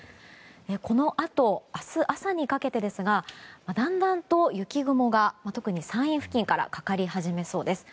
このあと、明日朝にかけてですがだんだんと雪雲が特に山陰付近からかかり始めそうです。